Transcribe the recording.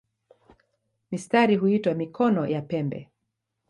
Mistari huitwa "mikono" ya pembe.